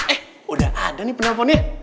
eh udah ada nih penelponnya